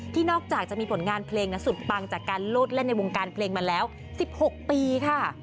นอกจากจะมีผลงานเพลงสุดปังจากการโลดเล่นในวงการเพลงมาแล้ว๑๖ปีค่ะ